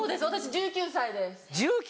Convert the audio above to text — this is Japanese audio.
１９歳です。